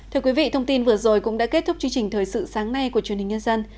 thưa quý vị thông tin vừa rồi cũng đã kết thúc chương trình thời sự sáng nay của truyền hình nhân dân